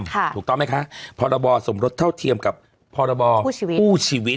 ค่ะถูกต้องไหมคะพรบสมรสเท่าเทียมกับพรบผู้ชีวิตผู้ชีวิต